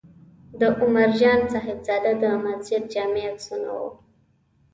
د عمر جان صاحبزاده د مسجد جامع عکسونه و.